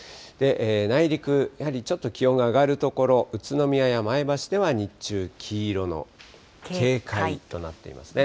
内陸、やはりちょっと気温が上がる所、宇都宮や前橋では日中、黄色の警戒となっていますね。